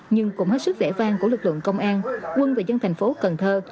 nhưng cũng hết sức vẻ vang của lực lượng công an quân và dân tp cần thơ